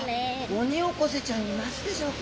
オニオコゼちゃんいますでしょうかね？